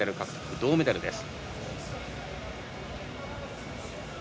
銅メダルです。